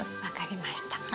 分かりました。